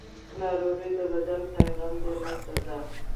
ناروغي د بدن پیغام دی، نه سزا.